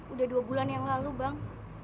udah dua bulan yang lalu bang